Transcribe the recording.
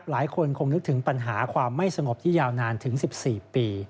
หลายคนคงนึกถึงปัญหาความไม่สงบที่ยาวนานถึง๑๔ปี